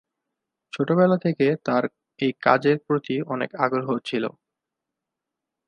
ছোটবেলা থেকে তার এই কাজের প্রতি অনেক আগ্রহ ছিল।